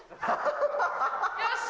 よし。